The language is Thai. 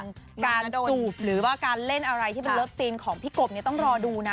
การจูบหรือว่าการเล่นอะไรที่เป็นเลิฟซีนของพี่กบเนี่ยต้องรอดูนะ